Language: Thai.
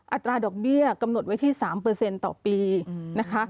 อัตราดอกเบี้ยกำหนดไว้ที่๓ต่อปีนะคะ